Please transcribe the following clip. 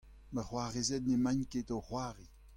Ma c'hoarezed n'emaint ket o c'hoari.